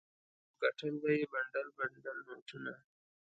او ګټل به یې بنډل بنډل نوټونه.